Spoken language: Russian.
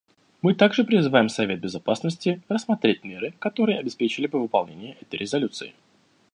Мы также призываем Совет Безопасности рассмотреть меры, которые обеспечили бы выполнение этой резолюции.